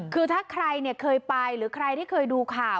คือถ้าใครเคยไปหรือใครที่เคยดูข่าว